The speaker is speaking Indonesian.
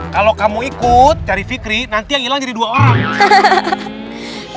kalau kamu ikut cari fikri nanti yang hilang jadi dua orang ya